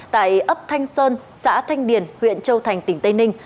tại ấp thanh sơn xã thanh điền huyện châu thành tỉnh tây ninh